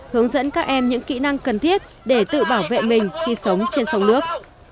hướng dẫn các em những kỹ năng cần thiết để tự bảo vệ mình khi sống trên sông nước